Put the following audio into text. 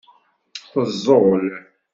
Teẓẓul.